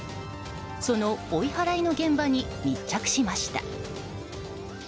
その追い払いの現場に密着しました。